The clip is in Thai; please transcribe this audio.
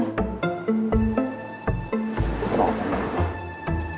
หล่อมากเลย